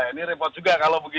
ini repot juga kalau begitu